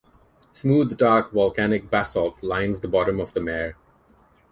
Smooth, dark volcanic basalt lines the bottom of the mare.